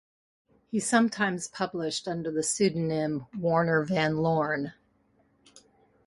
He sometimes published under the pseudonym Warner Van Lorne.